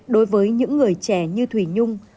đối với những người trẻ như thủy nhung